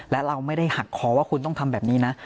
และเราไม่ได้หักคอว่าคุณต้องทำแบบนี้นะ